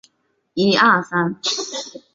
伊是名降落场。